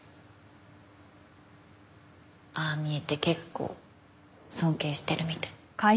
ああ見えて結構尊敬してるみたい。